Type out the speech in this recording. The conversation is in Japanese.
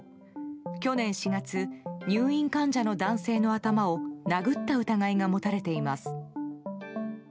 去年４月、入院患者の男性の頭を殴った疑いが持たれています。